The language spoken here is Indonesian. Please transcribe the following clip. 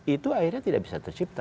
itu akhirnya tidak bisa tercipta